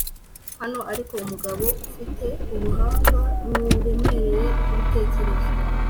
Hano ariko umugabo ufite uruhanga ruremereye rwibitekerezo